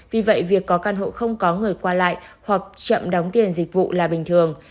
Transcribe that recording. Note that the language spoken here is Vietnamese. vì vậy việc có căn hộ không có người qua lại hoặc chậm đóng tiền dịch vụ là bình thường